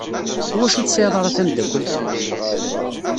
Iwacu ur tesɛiḍ ara tamdakelt?